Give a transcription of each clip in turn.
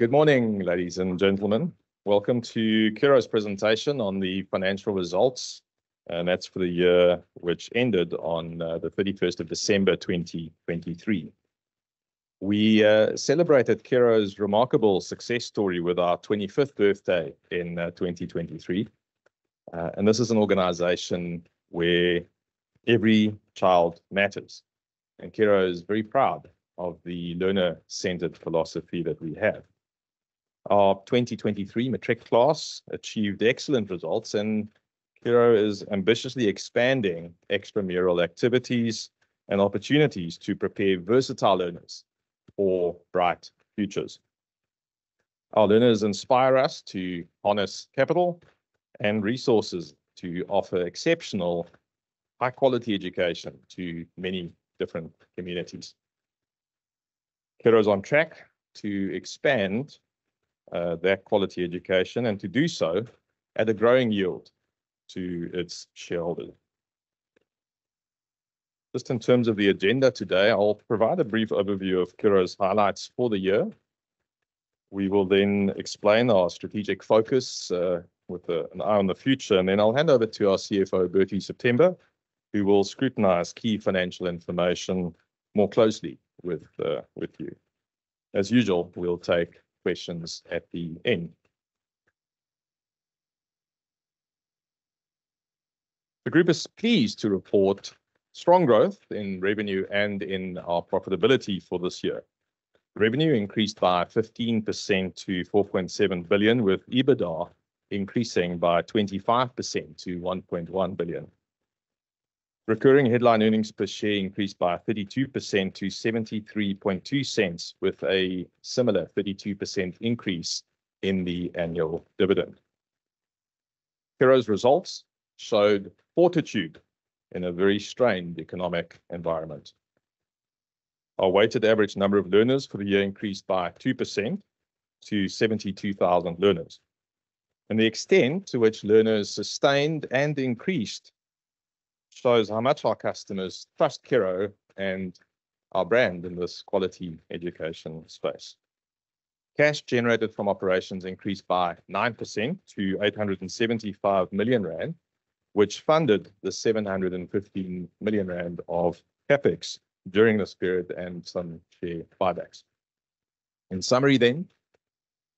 Good morning, ladies and gentlemen. Welcome to Curro's presentation on the financial results, and that's for the year which ended on the 31 December 2023. We celebrated Curro's remarkable success story with our 25th birthday in 2023. And this is an organization where every child matters, and Curro is very proud of the learner-centered philosophy that we have. Our 2023 matric class achieved excellent results, and Curro is ambitiously expanding extramural activities and opportunities to prepare versatile learners for bright futures. Our learners inspire us to harness capital and resources to offer exceptional, high-quality education to many different communities. Curro's on track to expand that quality education, and to do so at a growing yield to its shareholders. Just in terms of the agenda today, I'll provide a brief overview of Curro's highlights for the year. We will then explain our strategic focus, with, an eye on the future, and then I'll hand over to our CFO, Burtie September, who will scrutinize key financial information more closely with, with you. As usual, we'll take questions at the end. The group is pleased to report strong growth in revenue and in our profitability for this year. Revenue increased by 15% to 4.7 billion, with EBITDA increasing by 25% to 1.1 billion. Recurring headline earnings per share increased by 32% to 0.732, with a similar 32% increase in the annual dividend. Curro's results showed fortitude in a very strained economic environment. Our weighted average number of learners for the year increased by 2% to 72,000 learners, and the extent to which learners sustained and increased shows how much our customers trust Curro and our brand in this quality education space. Cash generated from operations increased by 9% to 875 million rand, which funded the 715 million rand of CapEx during this period, and some share buybacks. In summary then,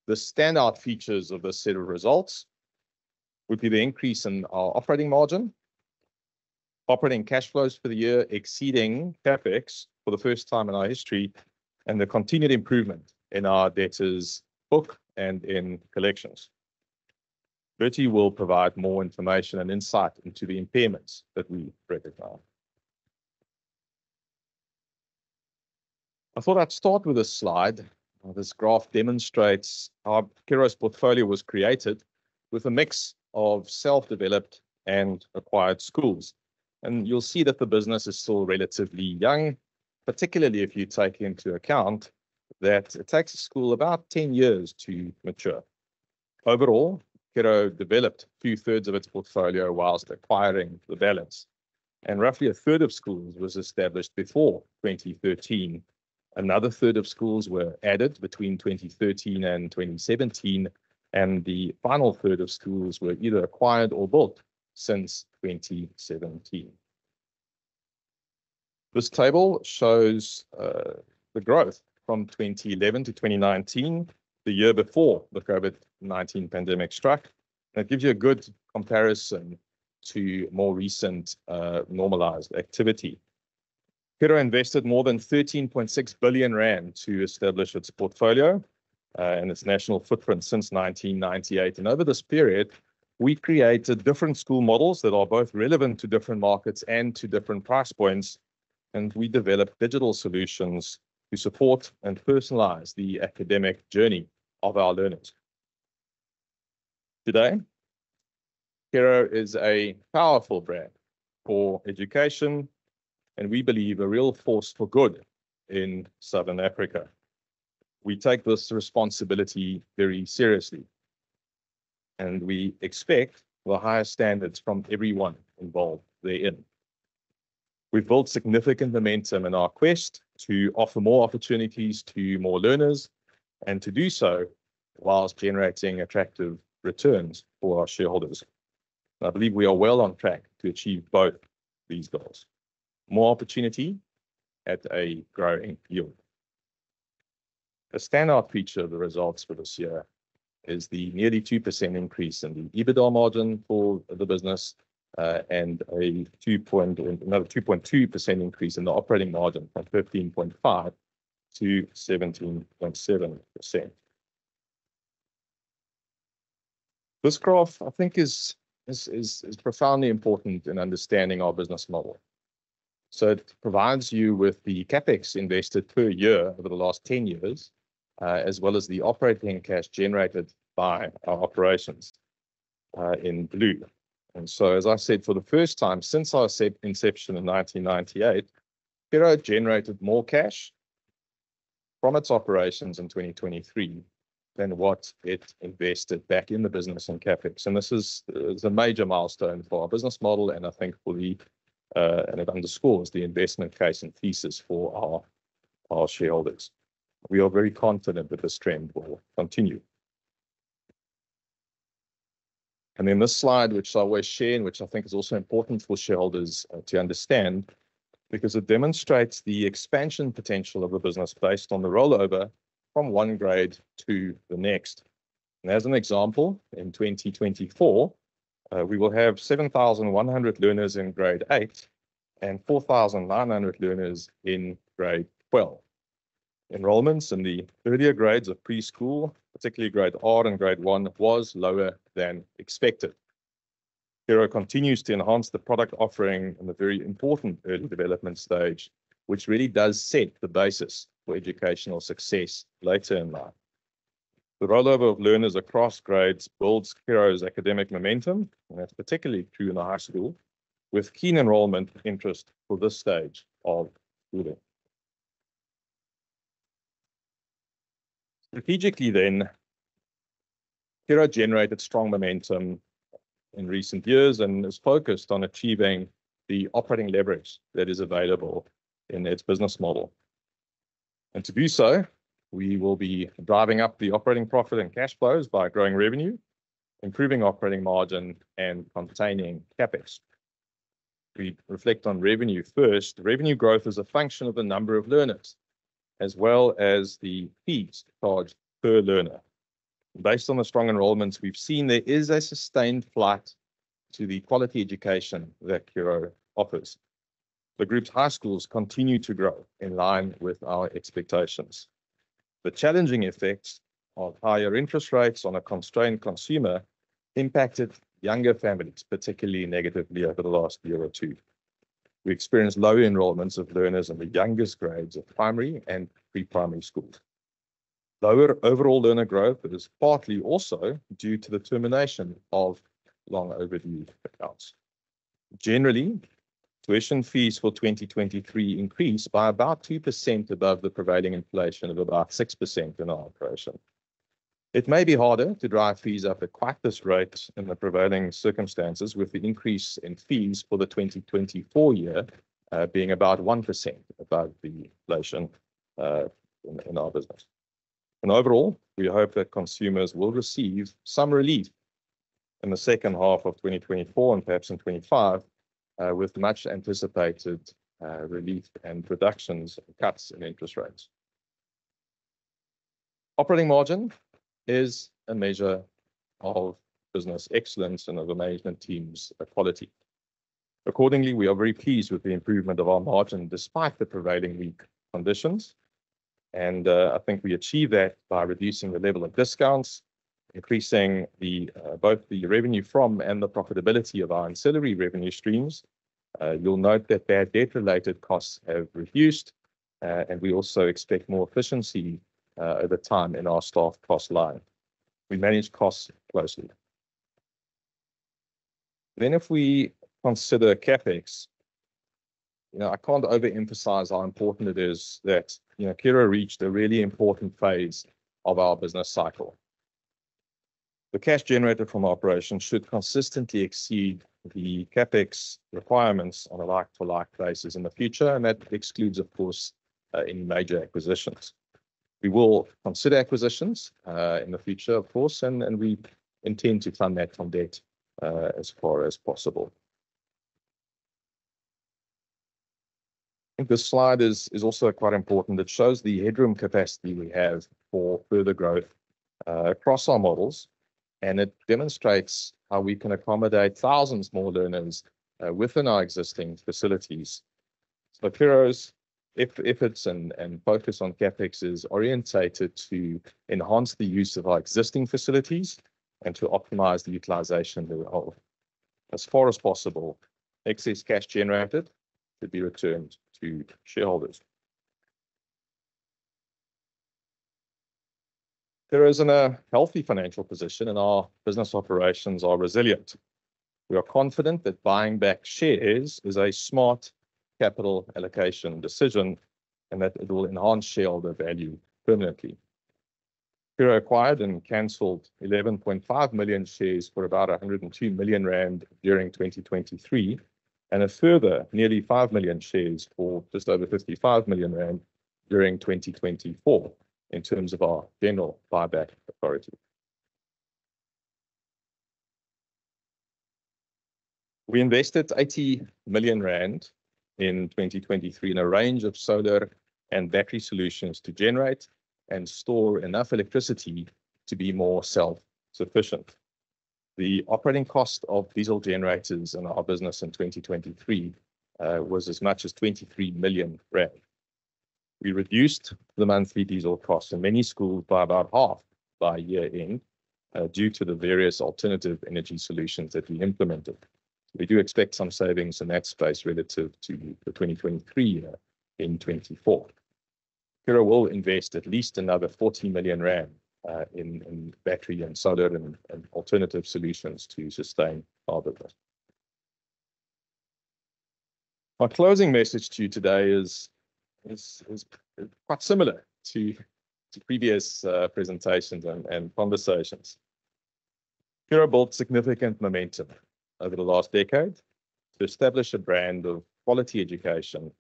the standout features of this set of results would be the increase in our operating margin, operating cash flows for the year exceeding CapEx for the first time in our history, and the continued improvement in our debtors book and in collections. Burtie will provide more information and insight into the impairments that we wrote down. I thought I'd start with this slide. This graph demonstrates how Curro's portfolio was created with a mix of self-developed and acquired schools. You'll see that the business is still relatively young, particularly if you take into account that it takes a school about 10 years to mature. Overall, Curro developed two-thirds of its portfolio while acquiring the balance, and roughly a third of schools was established before 2013. Another third of schools were added between 2013 and 2017, and the final third of schools were either acquired or built since 2017. This table shows the growth from 2011 to 2019, the year before the COVID-19 pandemic struck, and it gives you a good comparison to more recent normalized activity. Curro invested more than 13.6 billion rand to establish its portfolio and its national footprint since 1998. Over this period, we've created different school models that are both relevant to different markets and to different price points, and we developed digital solutions to support and personalize the academic journey of our learners. Today, Curro is a powerful brand for education, and we believe a real force for good in Southern Africa. We take this responsibility very seriously, and we expect the highest standards from everyone involved therein. We've built significant momentum in our quest to offer more opportunities to more learners and to do so while generating attractive returns for our shareholders. I believe we are well on track to achieve both these goals: more opportunity at a growing yield. A standout feature of the results for this year is the nearly 2% increase in the EBITDA margin for the business, and a two point... another 2.2% increase in the operating margin from 15.5% to 17.7%. This graph, I think, is profoundly important in understanding our business model. So it provides you with the CapEx invested per year over the last 10 years, as well as the operating cash generated by our operations in blue. And so, as I said, for the first time since our inception in 1998, Curro generated more cash from its operations in 2023 than what it invested back in the business and CapEx. And this is a major milestone for our business model, and I think, and it underscores the investment case and thesis for our shareholders. We are very confident that this trend will continue. Then this slide, which I always share, and which I think is also important for shareholders, to understand, because it demonstrates the expansion potential of the business based on the rollover from one grade to the next. As an example, in 2024, we will have 7,100 learners in Grade 8 and 4,900 learners in Grade 12. Enrollments in the earlier grades of preschool, particularly Grade R and Grade 1, was lower than expected. Curro continues to enhance the product offering in the very important early development stage, which really does set the basis for educational success later in life. The rollover of learners across grades builds Curro's academic momentum, and that's particularly true in the high school, with keen enrollment interest for this stage of learning. Strategically then, Curro generated strong momentum in recent years and is focused on achieving the operating leverage that is available in its business model. To do so, we will be driving up the operating profit and cash flows by growing revenue, improving operating margin, and containing CapEx. We reflect on revenue first. Revenue growth is a function of the number of learners, as well as the fees charged per learner. Based on the strong enrollments we've seen, there is a sustained flight to the quality education that Curro offers. The group's high schools continue to grow in line with our expectations. The challenging effects of higher interest rates on a constrained consumer impacted younger families particularly negatively over the last year or two. We experienced lower enrollments of learners in the youngest grades of primary and pre-primary schools. Lower overall learner growth is partly also due to the termination of long overdue accounts. Generally, tuition fees for 2023 increased by about 2% above the prevailing inflation of about 6% in our operation. It may be harder to drive fees up at quite this rate in the prevailing circumstances, with the increase in fees for the 2024 year being about 1% above the inflation in our business. Overall, we hope that consumers will receive some relief in the second half of 2024, and perhaps in 2025, with much anticipated relief and reductions and cuts in interest rates. Operating margin is a measure of business excellence and of the management team's quality. Accordingly, we are very pleased with the improvement of our margin, despite the prevailing weak conditions, and I think we achieved that by reducing the level of discounts, increasing the both the revenue from and the profitability of our ancillary revenue streams. You'll note that bad debt-related costs have reduced, and we also expect more efficiency over time in our staff cost line. We manage costs closely. Then, if we consider CapEx, you know, I can't overemphasize how important it is that, you know, Curro reached a really important phase of our business cycle. The cash generated from operations should consistently exceed the CapEx requirements on a like-to-like basis in the future, and that excludes, of course, any major acquisitions. We will consider acquisitions in the future, of course, and we intend to fund that from debt as far as possible. I think this slide is also quite important. It shows the headroom capacity we have for further growth across our models, and it demonstrates how we can accommodate thousands more learners within our existing facilities. So Curro's efforts and focus on CapEx is orientated to enhance the use of our existing facilities and to optimize the utilization thereof. As far as possible, excess cash generated should be returned to shareholders. Curro is in a healthy financial position, and our business operations are resilient. We are confident that buying back shares is a smart capital allocation decision and that it will enhance shareholder value permanently. Curro acquired and cancelled 11.5 million shares for about 102 million rand during 2023, and a further nearly 5 million shares for just over 55 million rand during 2024 in terms of our general buyback authority. We invested 80 million rand in 2023 in a range of solar and battery solutions to generate and store enough electricity to be more self-sufficient. The operating cost of diesel generators in our business in 2023 was as much as 23 million rand. We reduced the monthly diesel costs in many schools by about half by year-end due to the various alternative energy solutions that we implemented. We do expect some savings in that space relative to the 2023 year in 2024. Curro will invest at least another 40 million rand in battery and solar and alternative solutions to sustain our business. My closing message to you today is quite similar to previous presentations and conversations. Curro built significant momentum over the last decade to establish a brand of quality education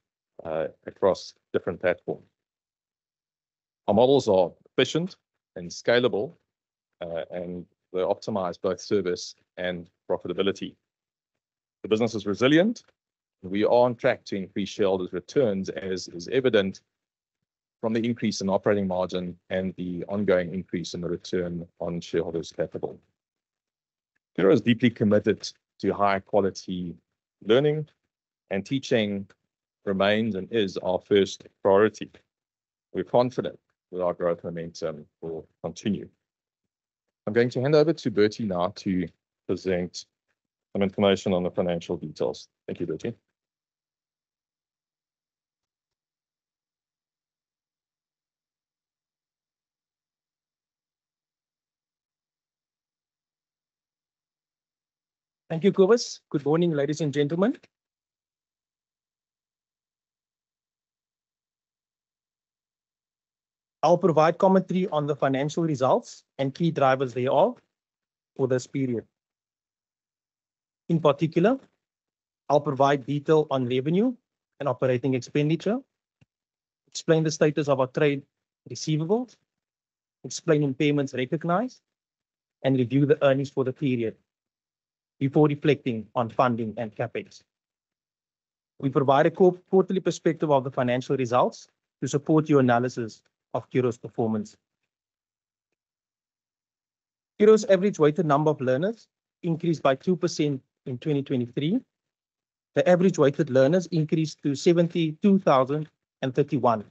across different platforms. Our models are efficient and scalable and they optimize both service and profitability. The business is resilient, and we are on track to increase shareholders' returns, as is evident from the increase in operating margin and the ongoing increase in the return on shareholders' capital. Curro is deeply committed to high-quality learning, and teaching remains and is our first priority. We're confident that our growth momentum will continue. I'm going to hand over to Burtie now to present some information on the financial details. Thank you, Burtie. Thank you, Cobus. Good morning, ladies and gentlemen. I'll provide commentary on the financial results and key drivers thereof for this period. In particular, I'll provide detail on revenue and operating expenditure, explain the status of our trade receivables, explain impairments recognized, and review the earnings for the period before reflecting on funding and CapEx. We provide a quarterly perspective of the financial results to support your analysis of Curro's performance. Curro's average weighted number of learners increased by 2% in 2023. The average weighted learners increased to 72,031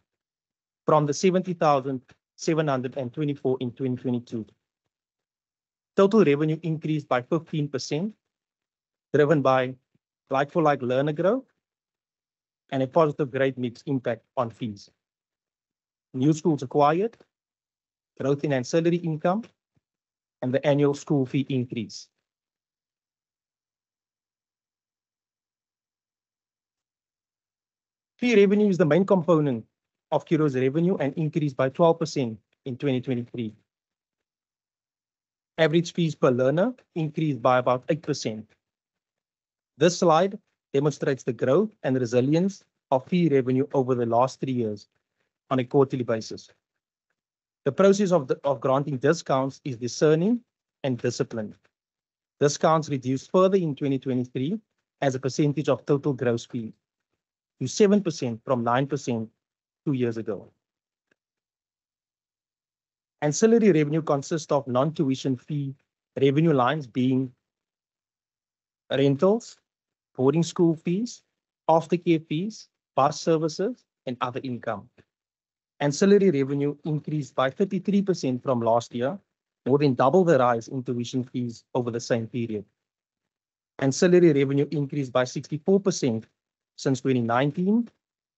from the 70,724 in 2022. Total revenue increased by 15%, driven by like-for-like learner growth and a positive grade mix impact on fees. New schools acquired, growth in ancillary income, and the annual school fee increase. Fee revenue is the main component of Curro's revenue and increased by 12% in 2023. Average fees per learner increased by about 8%. This slide demonstrates the growth and resilience of fee revenue over the last three years on a quarterly basis. The process of granting discounts is discerning and disciplined. Discounts reduced further in 2023 as a percentage of total gross fee to 7% from 9% two years ago. Ancillary revenue consists of non-tuition fee revenue lines, being rentals, boarding school fees, after-care fees, bus services, and other income. Ancillary revenue increased by 33% from last year, more than double the rise in tuition fees over the same period. Ancillary revenue increased by 64% since 2019,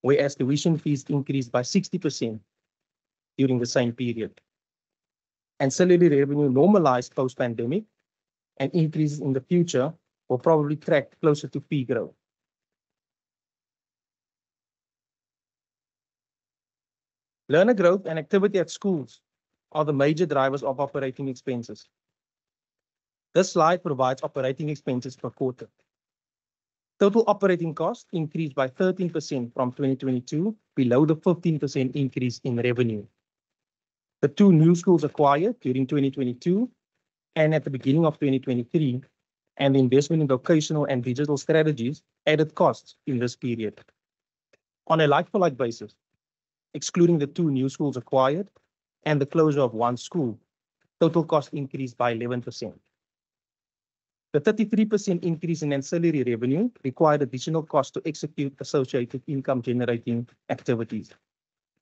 whereas tuition fees increased by 60% during the same period. Ancillary revenue normalized post-pandemic, and increases in the future will probably track closer to fee growth. Learner growth and activity at schools are the major drivers of operating expenses. This slide provides operating expenses per quarter. Total operating costs increased by 13% from 2022, below the 15% increase in revenue. The two new schools acquired during 2022 and at the beginning of 2023, and the investment in vocational and digital strategies added costs in this period. On a like-for-like basis, excluding the two new schools acquired and the closure of one school, total costs increased by 11%. The 33% increase in ancillary revenue required additional costs to execute associated income-generating activities.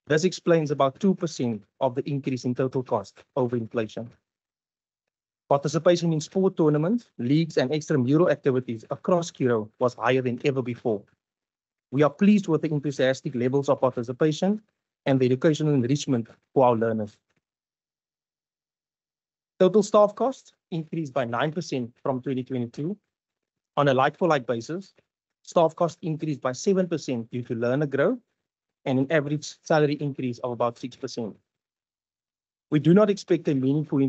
This explains about 2% of the increase in total cost over inflation. Participation in sport tournaments, leagues, and extramural activities across Curro was higher than ever before. We are pleased with the enthusiastic levels of participation and the educational enrichment to our learners. Total staff costs increased by 9% from 2022. On a like-for-like basis, staff costs increased by 7% due to learner growth and an average salary increase of about 6%. We do not expect a meaningful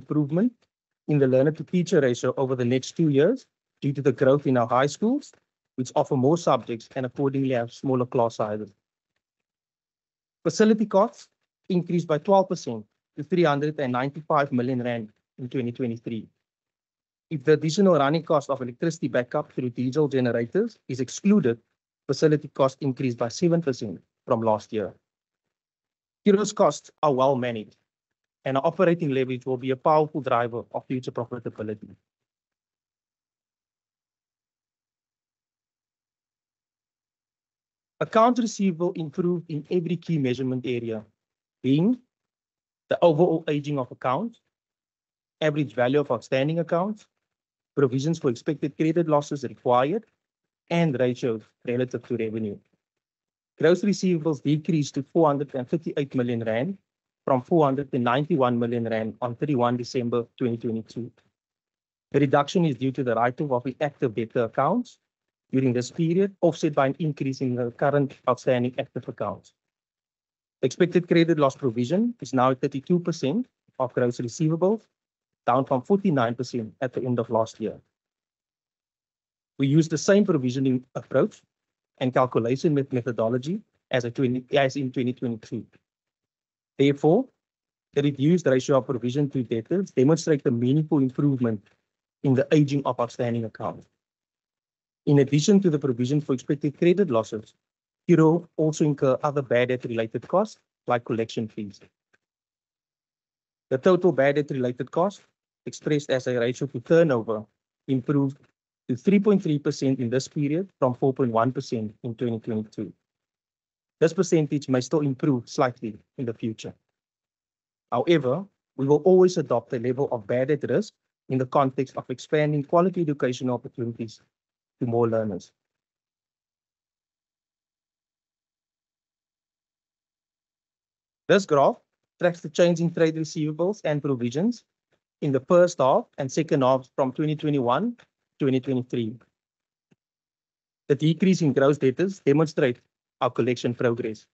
improvement in the learner-to-teacher ratio over the next 2 years due to the growth in our high schools, which offer more subjects and accordingly have smaller class sizes. Facility costs increased by 12% to 395 million rand in 2023. If the additional running cost of electricity backup through diesel generators is excluded, facility costs increased by 7% from last year. Curro's costs are well managed, and operating leverage will be a powerful driver of future profitability. Accounts receivable improved in every key measurement area, being the overall aging of accounts, average value of outstanding accounts, provisions for expected credit losses required, and ratios relative to revenue. Gross receivables decreased to 458 million rand from 491 million rand on 31 December 2022. The reduction is due to the writing off of active debtor accounts during this period, offset by an increase in the current outstanding active accounts. Expected credit loss provision is now at 32% of gross receivables, down from 49% at the end of last year. We used the same provisioning approach and calculation with methodology as in 2023. Therefore, the reduced ratio of provision to debtors demonstrate a meaningful improvement in the aging of outstanding accounts. In addition to the provision for expected credit losses, Curro also incur other bad debt-related costs, like collection fees. The total bad debt-related costs, expressed as a ratio to turnover, improved to 3.3% in this period, from 4.1% in 2022. This percentage may still improve slightly in the future. However, we will always adopt a level of bad debt risk in the context of expanding quality educational opportunities to more learners. This graph tracks the change in trade receivables and provisions in the first half and second half from 2021 to 2023. The decrease in gross debtors demonstrate our collection progress.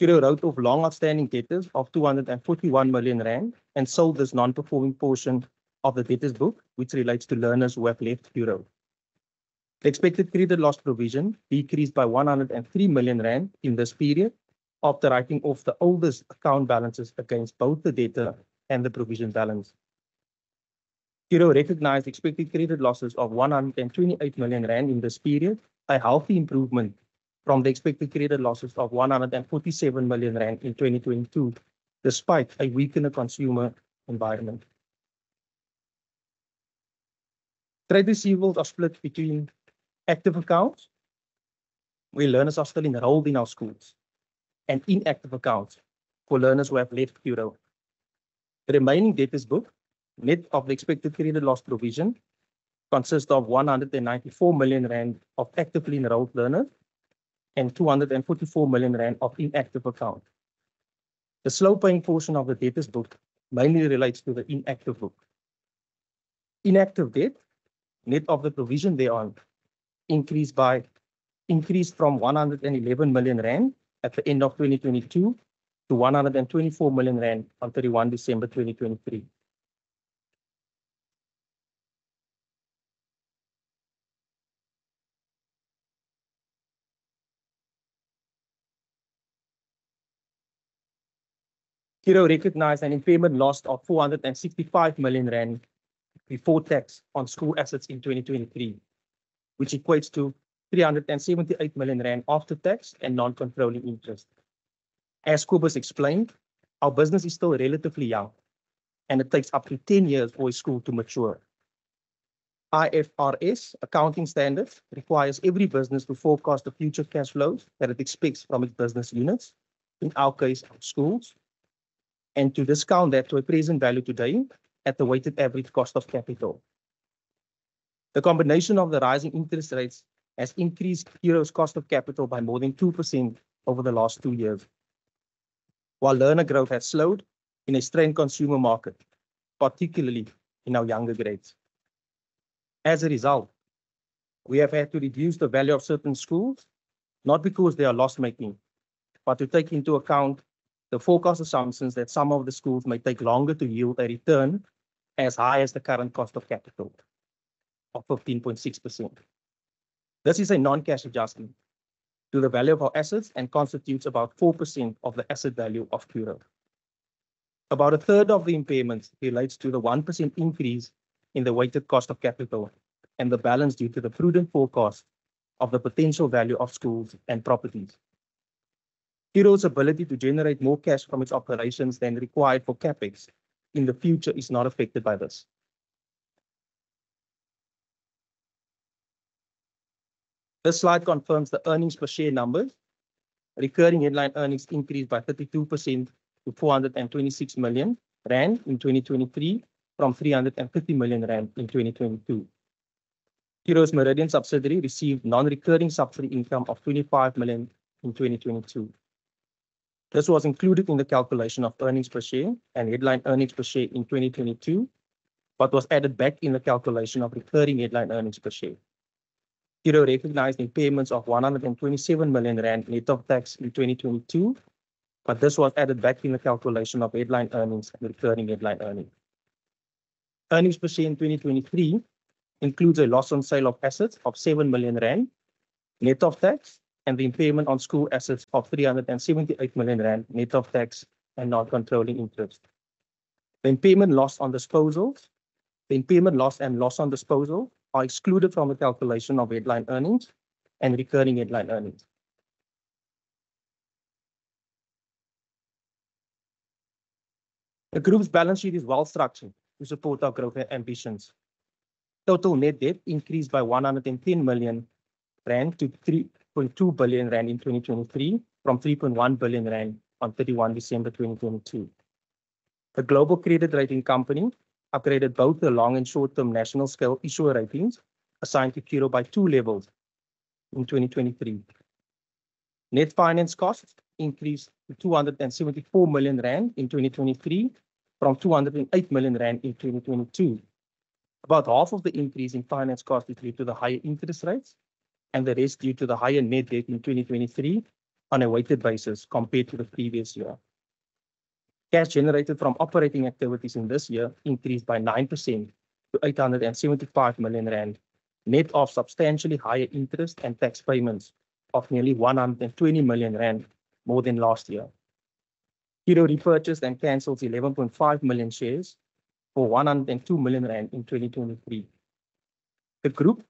Curro wrote off long outstanding debtors of 241 million rand, and sold this non-performing portion of the debtors book, which relates to learners who have left Curro. The Expected Credit Loss provision decreased by 103 million rand in this period after writing off the oldest account balances against both the debtor and the provision balance. Curro recognized Expected Credit Losses of 128 million rand in this period, a healthy improvement from the Expected Credit Losses of 147 million rand in 2022, despite a weaker consumer environment. Trade receivables are split between active accounts, where learners are still enrolled in our schools, and inactive accounts, for learners who have left Curro. The remaining debtors book, net of the Expected Credit Loss provision, consists of 194 million rand of actively enrolled learners and 244 million rand of inactive accounts. The slow-paying portion of the debtors book mainly relates to the inactive book. Inactive debt, net of the provision thereon, increased from 111 million rand at the end of 2022 to 124 million rand on 31 December 2023. Curro recognized an impairment loss of 465 million rand before tax on school assets in 2023, which equates to 378 million rand after tax and non-controlling interest. As Cobus explained, our business is still relatively young, and it takes up to 10 years for a school to mature. IFRS accounting standard requires every business to forecast the future cash flows that it expects from its business units, in our case, our schools, and to discount that to a present value today at the weighted average cost of capital. The combination of the rising interest rates has increased Curro's cost of capital by more than 2% over the last two years, while learner growth has slowed in a strained consumer market, particularly in our younger grades. As a result, we have had to reduce the value of certain schools, not because they are loss-making, but to take into account the forecast assumptions that some of the schools may take longer to yield a return as high as the current cost of capital of 15.6%. This is a non-cash adjustment to the value of our assets and constitutes about 4% of the asset value of Curro. About a third of the impairments relates to the 1% increase in the weighted cost of capital, and the balance due to the prudent forecast of the potential value of schools and properties. Curro's ability to generate more cash from its operations than required for CapEx in the future is not affected by this. This slide confirms the earnings per share numbers. Recurring headline earnings increased by 32% to 426 million rand in 2023, from 350 million rand in 2022. Curro's Meridian subsidiary received non-recurring subsidiary income of 25 million in 2022. This was included in the calculation of earnings per share and headline earnings per share in 2022 but was added back in the calculation of recurring headline earnings per share. Curro recognized impairments of 127 million rand net of tax in 2022, but this was added back in the calculation of headline earnings and recurring headline earnings. Earnings per share in 2023 includes a loss on sale of assets of 7 million rand net of tax, and the impairment on school assets of 378 million rand net of tax and non-controlling interest. The impairment loss on disposals, the impairment loss and loss on disposal are excluded from the calculation of headline earnings and recurring headline earnings. The group's balance sheet is well structured to support our growth ambitions. Total net debt increased by 110 million rand to 3.2 billion rand in 2023, from 3.1 billion rand on 31 December 2022. The Global Credit Rating Co. upgraded both the long- and short-term national scale issuer ratings assigned to Curro by two levels in 2023. Net finance costs increased to 274 million rand in 2023, from 208 million rand in 2022. About half of the increase in finance costs is due to the higher interest rates, and the rest due to the higher net debt in 2023 on a weighted basis compared to the previous year. Cash generated from operating activities in this year increased by 9% to 875 million rand, net of substantially higher interest and tax payments of nearly 120 million rand more than last year. Curro repurchased and canceled 11.5 million shares for 102 million rand in 2023. The group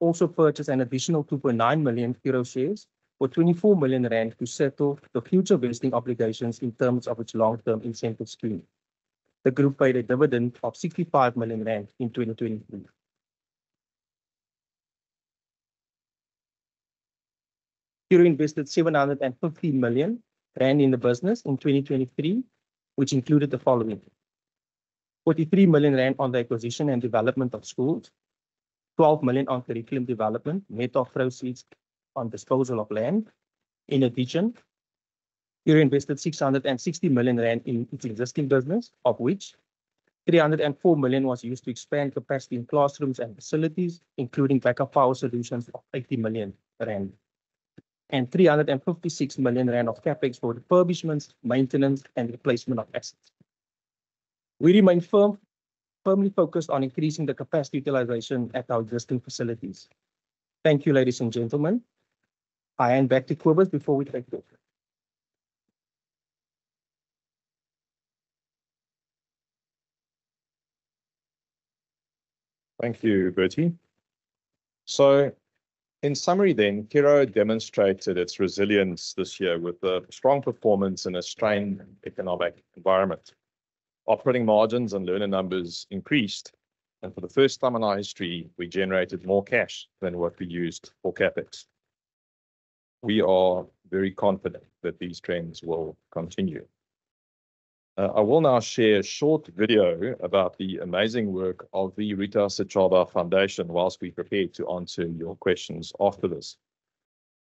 also purchased an additional 2.9 million Curro shares for 24 million rand to settle the future vesting obligations in terms of its long-term incentive scheme. The group paid a dividend of 65 million rand in 2023. Curro invested 750 million rand in the business in 2023, which included the following: 43 million rand on the acquisition and development of schools, 12 million on curriculum development, net of proceeds on disposal of land. In addition, Curro invested 660 million rand in its existing business, of which 304 million was used to expand capacity in classrooms and facilities, including backup power solutions of 80 million rand, and 356 million rand of CapEx for refurbishments, maintenance, and replacement of assets. We remain firmly focused on increasing the capacity utilization at our existing facilities. Thank you, ladies and gentlemen. I hand back to Cobus before we take questions. Thank you, Burtie. In summary then, Curro demonstrated its resilience this year with a strong performance in a strained economic environment. Operating margins and learner numbers increased, and for the first time in our history, we generated more cash than what we used for CapEx. We are very confident that these trends will continue. I will now share a short video about the amazing work of the Ruta Sechaba Foundation while we prepare to answer your questions after this.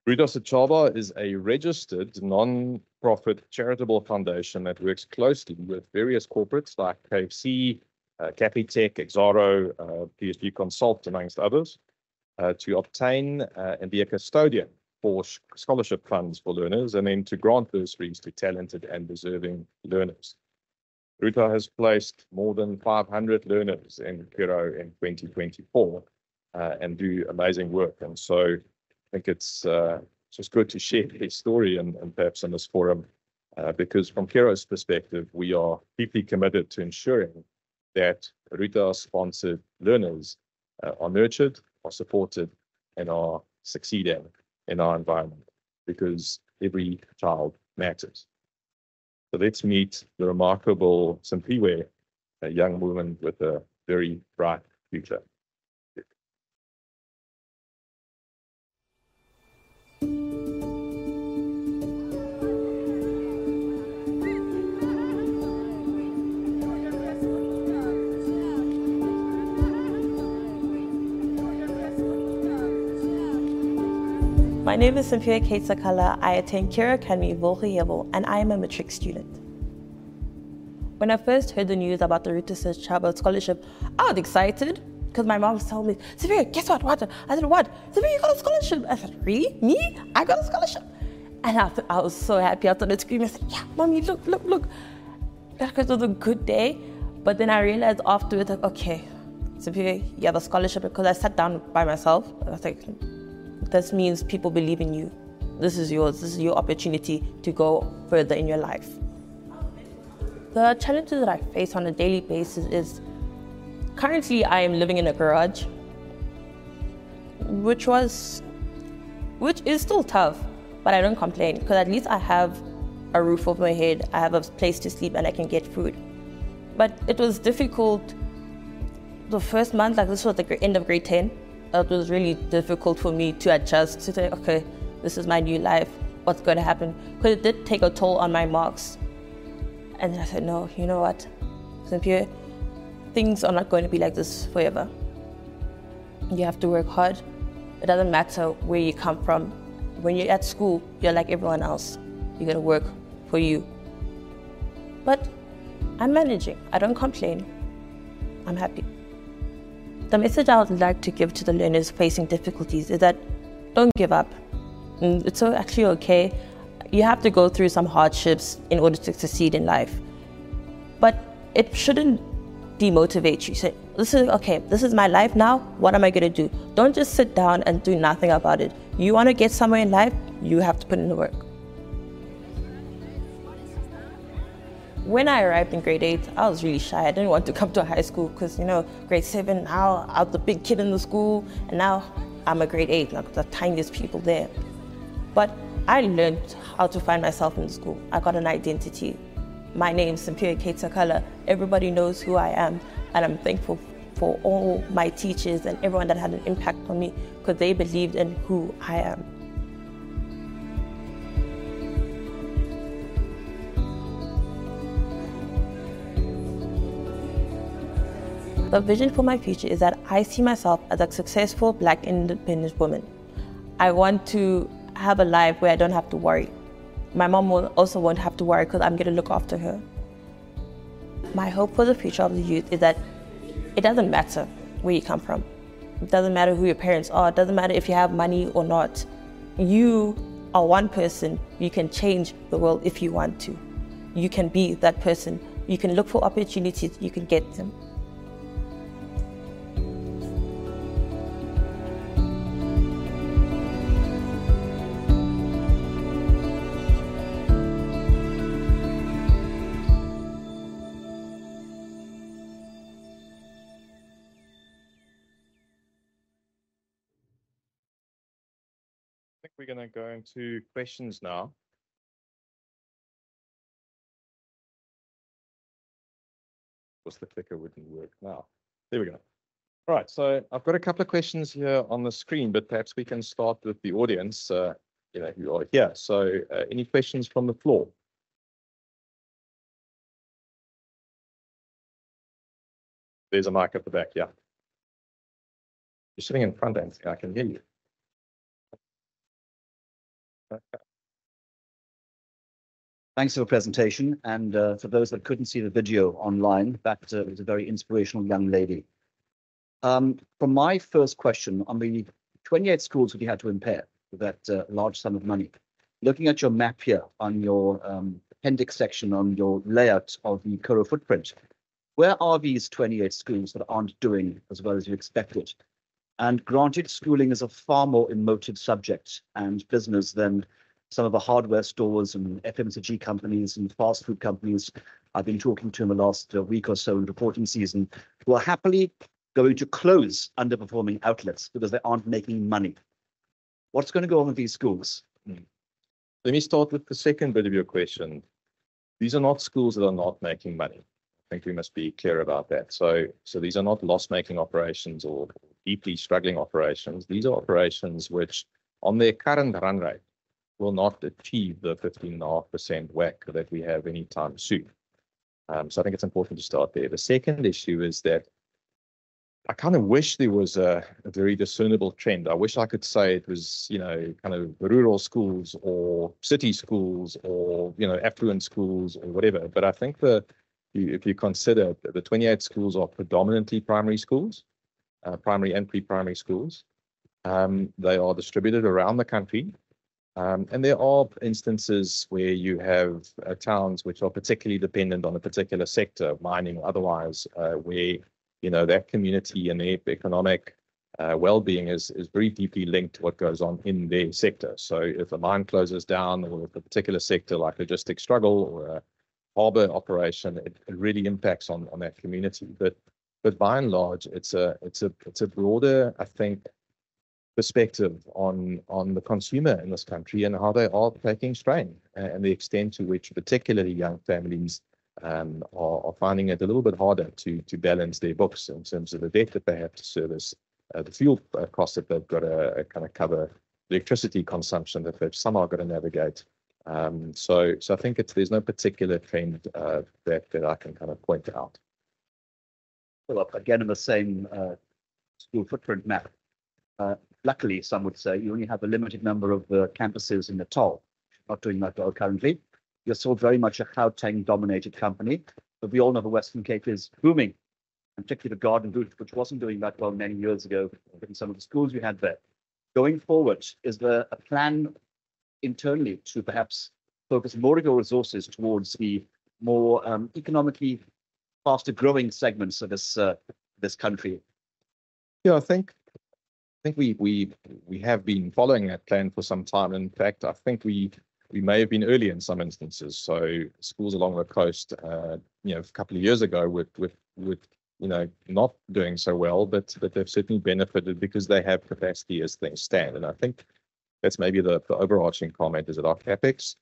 Ruta Sechaba is a registered non-profit charitable foundation that works closely with various corporates like KFC, Capitec, Exxaro, PSG Consult, among others, to obtain and be a custodian for scholarship funds for learners, and then to grant those funds to talented and deserving learners. Ruta has placed more than 500 learners in Curro in 2024, and do amazing work, and so I think it's just good to share their story and, and perhaps in this forum, because from Curro's perspective, we are deeply committed to ensuring that Ruta-sponsored learners are nurtured, are supported, and are succeeding in our environment, because every child matters. So let's meet the remarkable Simphiwe, a young woman with a very bright future. My name is Simphiwe Kate Sakala. I attend Curro Academy Vosloorus, and I am a matric student. When I first heard the news about the Ruta Sechaba scholarship, I was excited, 'cause my mom was telling me, "Simphiwe, guess what? What?" I said, "What?" "Simphiwe, you got a scholarship!" I said, "Really? Me? I got a scholarship?" And I was so happy. I started screaming. I said, "Yeah, Mommy, look, look, look!" That was a good day, but then I realized afterwards that, okay, Simphiwe, you have a scholarship, because I sat down by myself, and I was like, "This means people believe in you. This is yours. This is your opportunity to go further in your life." The challenges that I face on a daily basis is, currently I am living in a garage, which was... Which is still tough, but I don't complain, 'cause at least I have a roof over my head, I have a place to sleep, and I can get food. But it was difficult the first month, like this was the end of Grade 10. It was really difficult for me to adjust, to say, "Okay, this is my new life. What's gonna happen?" 'Cause it did take a toll on my marks. And then I said, "No, you know what, Simphiwe? Things are not going to be like this forever. You have to work hard. It doesn't matter where you come from. When you're at school, you're like everyone else. You've gotta work for you." But I'm managing. I don't complain. I'm happy. The message I would like to give to the learners facing difficulties is that, don't give up. Mm, it's all actually okay. You have to go through some hardships in order to succeed in life, but it shouldn't demotivate you. Say, "This is okay. This is my life now. What am I gonna do?" Don't just sit down and do nothing about it. You wanna get somewhere in life, you have to put in the work. When I arrived in Grade 8, I was really shy. I didn't want to come to a high school, 'cause, you know, Grade 7, I was the big kid in the school, and now I'm a grade eight, and I'm the tiniest pupil there. But I learned how to find myself in school. I got an identity. My name is Simphiwe Kate Sakala. Everybody knows who I am, and I'm thankful for all my teachers and everyone that had an impact on me, 'cause they believed in who I am. The vision for my future is that I see myself as a successful Black independent woman. I want to have a life where I don't have to worry.... my mom will also won't have to worry, 'cause I'm gonna look after her. My hope for the future of the youth is that it doesn't matter where you come from, it doesn't matter who your parents are, it doesn't matter if you have money or not. You are one person. You can change the world if you want to. You can be that person. You can look for opportunities, you can get them. I think we're gonna go into questions now. Of course, the clicker wouldn't work now. There we go. All right, so I've got a couple of questions here on the screen, but perhaps we can start with the audience. You know, you are here. So, any questions from the floor? There's a mic at the back, yeah. You're sitting in front, Anthony, I can hear you. Thanks for your presentation, and for those that couldn't see the video online, that was a very inspirational young lady. From my first question, on the 28 schools that you had to impair with that large sum of money, looking at your map here on your appendix section, on your layout of the Curro footprint, where are these 28 schools that aren't doing as well as you expected? And granted, schooling is a far more emotional subject and business than some of the hardware stores, and FMCG companies, and fast food companies I've been talking to in the last week or so in reporting season, who are happily going to close underperforming outlets because they aren't making money. What's gonna go on with these schools? Let me start with the second bit of your question. These are not schools that are not making money. I think we must be clear about that. So, so these are not loss-making operations or deeply struggling operations. These are operations which, on their current run rate, will not achieve the 15.5% WACC that we have anytime soon. So I think it's important to start there. The second issue is that I kind of wish there was a very discernible trend. I wish I could say it was, you know, kind of rural schools, or city schools or, you know, affluent schools, or whatever. But I think that if you consider that the 28 schools are predominantly primary schools, primary and pre-primary schools, they are distributed around the country. And there are instances where you have towns which are particularly dependent on a particular sector, mining otherwise, where, you know, that community and their economic well-being is very deeply linked to what goes on in their sector. So if a mine closes down or if a particular sector, like logistics, struggle or a harbor operation, it really impacts on that community. But by and large, it's a broader, I think, perspective on the consumer in this country and how they are taking strain, and the extent to which particularly young families are finding it a little bit harder to balance their books in terms of the debt that they have to service, the fuel costs that they've got to kinda cover, electricity consumption that they've somehow got to navigate. So, I think there's no particular trend that I can kind of point out. Well, again, in the same school footprint map, luckily, some would say you only have a limited number of campuses in the North. Not doing that well currently. You're still very much a Gauteng-dominated company, but we all know the Western Cape is booming, and particularly the Garden Route, which wasn't doing that well many years ago, in some of the schools you had there. Going forward, is there a plan internally to perhaps focus more of your resources towards the more economically faster-growing segments of this this country? Yeah, I think we have been following that plan for some time. In fact, I think we may have been early in some instances. Schools along the coast, you know, a couple of years ago were not doing so well. But they've certainly benefited because they have capacity as things stand. And I think that's maybe the overarching comment, is that our CapEx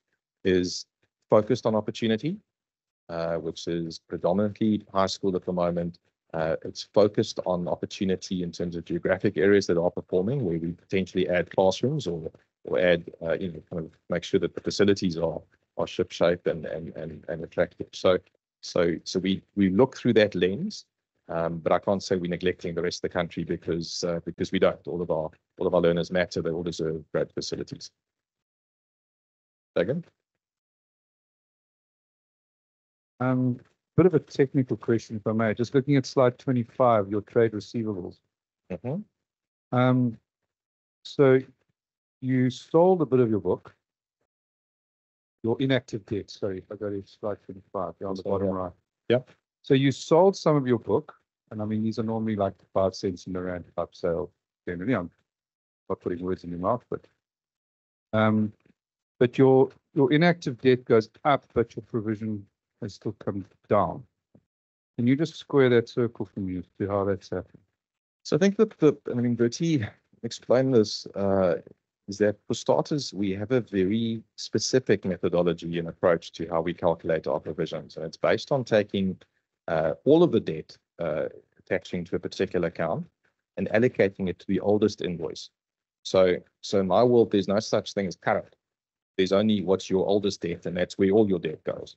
is focused on opportunity, which is predominantly high school at the moment. It's focused on opportunity in terms of geographic areas that are performing, where we potentially add classrooms or add, you know, kind of make sure that the facilities are shipshape and attractive. So we look through that lens. But I can't say we're neglecting the rest of the country because we don't. All of our, all of our learners matter. They all deserve great facilities. Megan? Bit of a technical question, if I may. Just looking at slide 25, your trade receivables. Mm-hmm. So you sold a bit of your book, your inactive debt. Sorry, I go to slide 25 on the bottom right. Yeah. So you sold some of your book, and I mean, these are normally like 5 cents in the rand type sale. Again, I'm not putting words in your mouth, but, but your, your inactive debt goes up, but your provision has still come down. Can you just square that circle for me as to how that's happened? So I think that I mean, Burtie explained this, is that for starters, we have a very specific methodology and approach to how we calculate our provision. So it's based on taking all of the debt attaching to a particular account and allocating it to the oldest invoice. So in my world, there's no such thing as current. There's only what's your oldest debt, and that's where all your debt goes.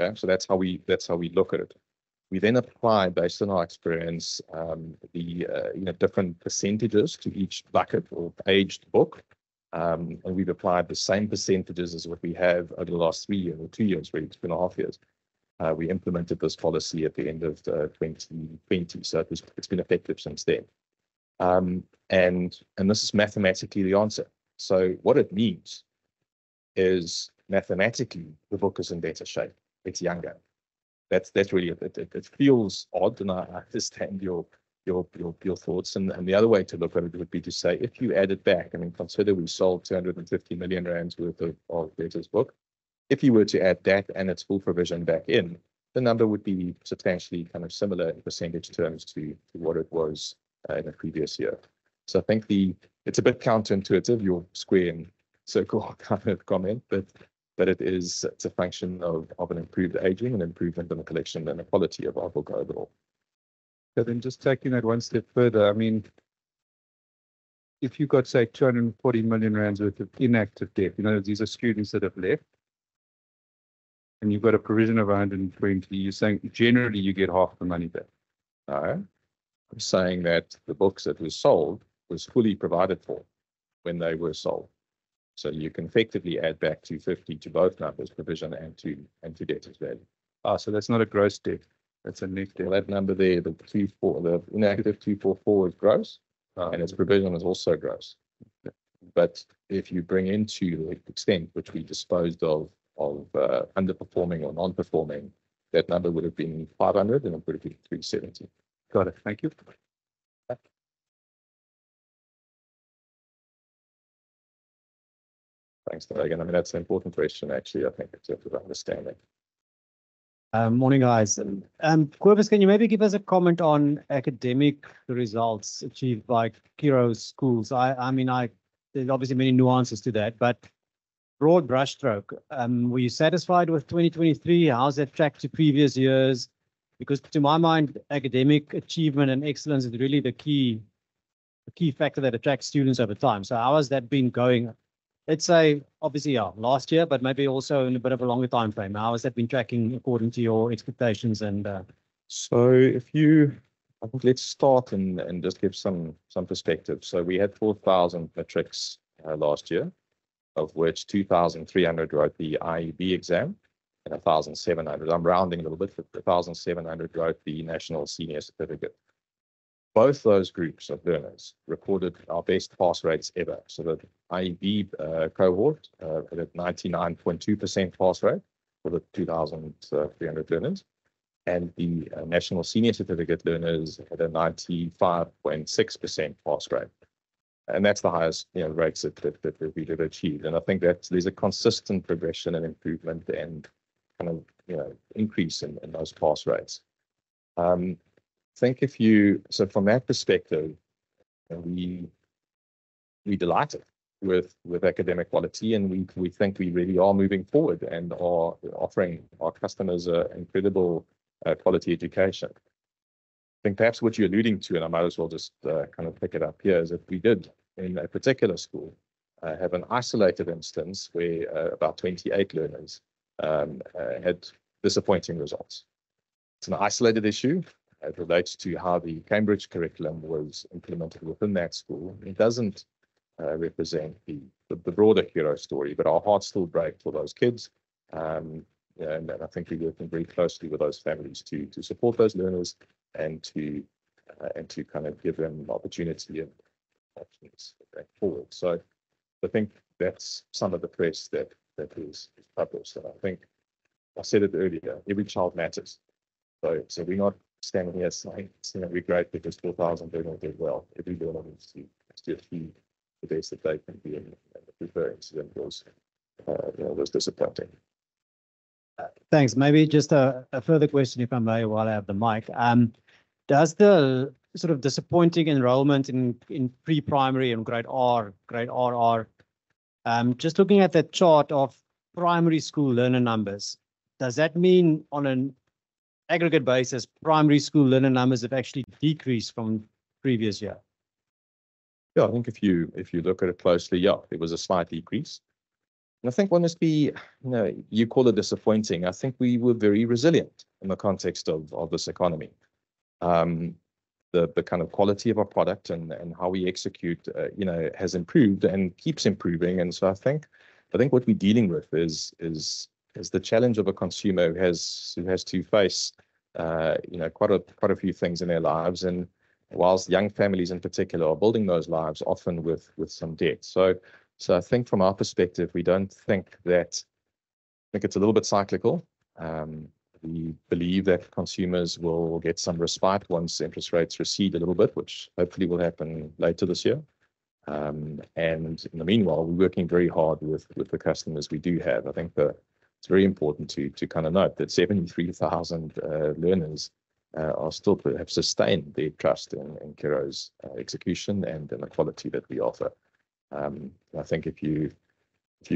Okay? So that's how we, that's how we look at it. We then applied, based on our experience, the you know, different percentages to each bucket or aged book. And we've applied the same percentages as what we have over the last three years or two years, really, 2.5 years. We implemented this policy at the end of 2020, so it was it's been effective since then. And this is mathematically the answer. So what it means is, mathematically, the book is in better shape, it's younger. That's really it. It feels odd, and I understand your thoughts. And the other way to look at it would be to say, if you add it back, I mean, consider we sold 250 million rand worth of debtors' book. If you were to add that and its full provision back in, the number would be substantially kind of similar in percentage terms to what it was in the previous year. So I think the... It's a bit counterintuitive, your square and circle kind of comment, but it is, it's a function of an improved aging and improvement in the collection and the quality of our book overall. But then just taking that one step further, I mean, if you've got, say, 240 million rand worth of inactive debt, you know, these are students that have left, and you've got a provision of 120 million, you're saying generally you get half the money back? No. I'm saying that the books that were sold was fully provided for when they were sold. So you can effectively add back 250 to both numbers, provision and to, and to debtors' value. So that's not a gross debt, that's a net debt. Well, that number there, the inactive 244 is gross. its provision is also gross. Yeah. But if you bring into the extent which we disposed of underperforming or non-performing, that number would have been 533.70. Got it. Thank you. Okay. Thanks, Megan. I mean, that's an important question, actually, I think, in terms of understanding. Morning, guys. Cobus, can you maybe give us a comment on academic results achieved by Curro's schools? I mean, there's obviously many nuances to that, but broad brushstroke, were you satisfied with 2023? How does that track to previous years? Because to my mind, academic achievement and excellence is really the key, the key factor that attracts students over time. So how has that been going, let's say, obviously, last year, but maybe also in a bit of a longer timeframe? How has that been tracking according to your expectations, and So if you... I think let's start and just give some perspective. So we had 4,000 matrics last year, of which 2,300 wrote the IEB exam, and 1,700, I'm rounding a little bit, but 1,700 wrote the National Senior Certificate. Both those groups of learners recorded our best pass rates ever. So the IEB cohort had a 99.2% pass rate for the 2,300 learners, and the National Senior Certificate learners had a 95.6% pass rate. And that's the highest, you know, rates that we have achieved. And I think that there's a consistent progression and improvement and kind of, you know, increase in those pass rates. I think if you... So from that perspective, we're delighted with academic quality, and we think we really are moving forward and are offering our customers an incredible quality education. I think perhaps what you're alluding to, and I might as well just kind of pick it up here, is that we did, in a particular school, have an isolated instance where about 28 learners had disappointing results. It's an isolated issue. It relates to how the Cambridge curriculum was implemented within that school. It doesn't represent the broader Curro story, but our hearts still break for those kids. And I think we're working very closely with those families to support those learners and to kind of give them opportunity and options going forward. So I think that's some of the press that is published. I think I said it earlier, every child matters. So, we're not standing here saying, you know, "We're great because 4,000 learners did well." Every learner needs to achieve the best that they can be, and the Curro incident was, you know, was disappointing. Thanks. Maybe just a further question, if I may, while I have the mic. Does the sort of disappointing enrollment in pre-primary and Grade R, Grade RR, just looking at that chart of primary school learner numbers, mean on an aggregate basis that primary school learner numbers have actually decreased from previous year? Yeah, I think if you look at it closely, yeah, there was a slight decrease. And I think one must be, you know, you call it disappointing. I think we were very resilient in the context of this economy. The kind of quality of our product and how we execute, you know, has improved and keeps improving. And so I think what we're dealing with is the challenge of a consumer who has to face, you know, quite a few things in their lives. And whilst young families in particular are building those lives, often with some debt. So I think from our perspective, we don't think that... I think it's a little bit cyclical. We believe that consumers will get some respite once interest rates recede a little bit, which hopefully will happen later this year. In the meanwhile, we're working very hard with the customers we do have. I think that it's very important to kind of note that 73,000 learners have sustained their trust in Curro's execution and in the quality that we offer. I think if you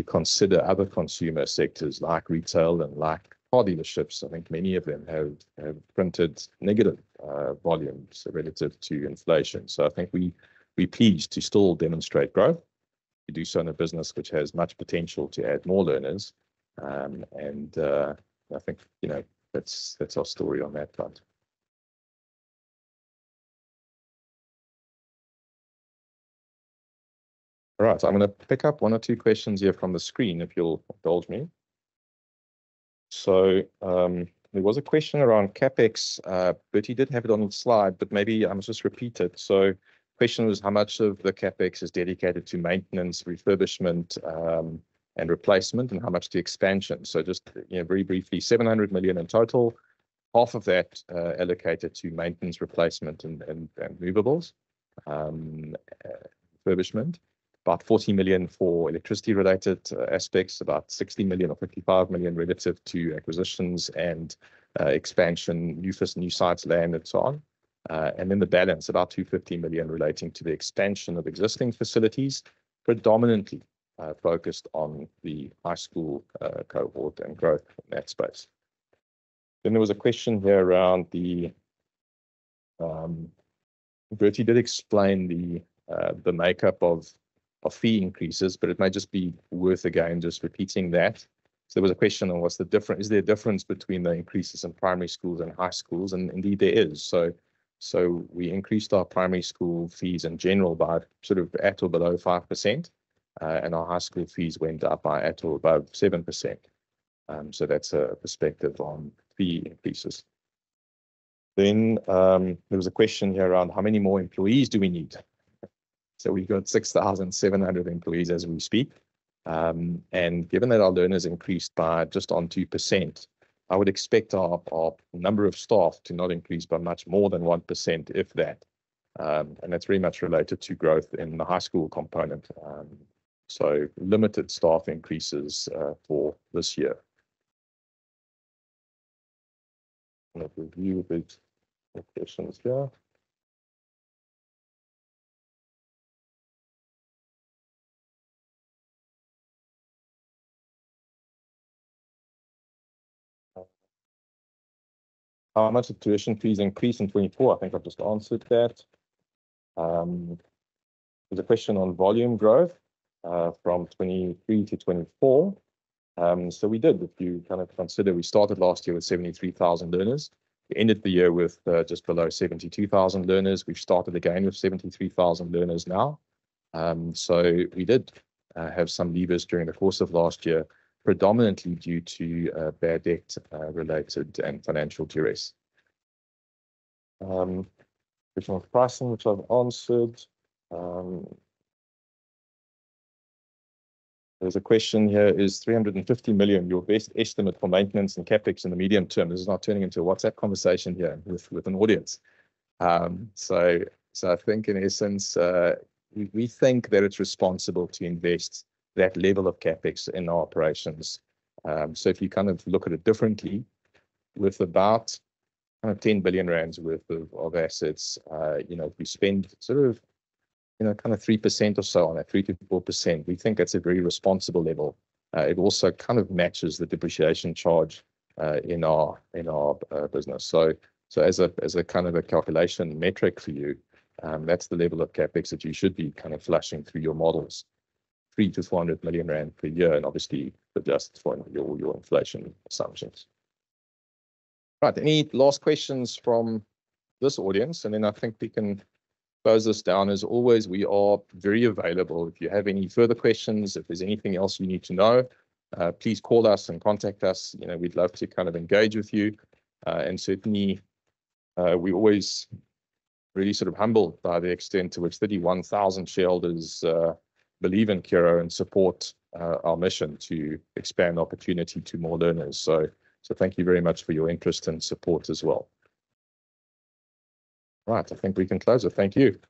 consider other consumer sectors like retail and like car dealerships, I think many of them have printed negative volumes relative to inflation. So I think we're pleased to still demonstrate growth. We do so in a business which has much potential to add more learners. I think, you know, that's our story on that front. All right, so I'm gonna pick up one or two questions here from the screen, if you'll indulge me. So, there was a question around CapEx. Burtie did have it on the slide, but maybe, just repeat it. So the question was: how much of the CapEx is dedicated to maintenance, refurbishment, and replacement, and how much to expansion? So just, you know, very briefly, 700 million in total, half of that, allocated to maintenance, replacement, and movables. Refurbishment, about 40 million for electricity-related aspects, about 60 million or 55 million relative to acquisitions and expansion, new sites, land, and so on. And then the balance, about 250 million relating to the extension of existing facilities, predominantly focused on the high school cohort and growth in that space. Then there was a question here around the... Burtie did explain the, the makeup of, of fee increases, but it might just be worth, again, just repeating that. So there was a question on what's the difference, is there a difference between the increases in primary schools and high schools? And indeed, there is. So, so we increased our primary school fees in general by sort of at or below 5%, and our high school fees went up by at or above 7%. So that's a, a perspective on fee increases. Then, there was a question here around: how many more employees do we need? So we've got 6,700 employees as we speak. And given that our learners increased by just on 2%, I would expect our number of staff to not increase by much more than 1%, if that. And that's very much related to growth in the high school component. So limited staff increases for this year. Let me review a bit the questions here. How much did tuition fees increase in 2024? I think I've just answered that. There's a question on volume growth from 2023 to 2024. So we did. If you kind of consider, we started last year with 73,000 learners. We ended the year with just below 72,000 learners. We've started again with 73,000 learners now. So we did have some leavers during the course of last year, predominantly due to bad debt related and financial duress. Question on pricing, which I've answered. There's a question here: Is 350 million your best estimate for maintenance and CapEx in the medium term? This is now turning into a WhatsApp conversation here with an audience. So, I think in essence, we think that it's responsible to invest that level of CapEx in our operations. So if you kind of look at it differently, with about kind of 10 billion rand worth of assets, you know, we spend sort of, you know, kind of 3% or so on it, 3%-4%. We think that's a very responsible level. It also kind of matches the depreciation charge in our business. So as a kind of a calculation metric for you, that's the level of CapEx that you should be kind of flashing through your models, 300 million-400 million rand per year, and obviously adjusted for your inflation assumptions. Right. Any last questions from this audience? And then I think we can close this down. As always, we are very available. If you have any further questions, if there's anything else you need to know, please call us and contact us. You know, we'd love to kind of engage with you. And certainly, we're always really sort of humbled by the extent to which 31,000 shareholders believe in Curro and support our mission to expand opportunity to more learners. So thank you very much for your interest and support as well. Right, I think we can close it. Thank you.